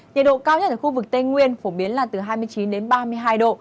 nhiệt độ cao nhất ở khu vực tây nguyên phổ biến là từ hai mươi chín đến ba mươi hai độ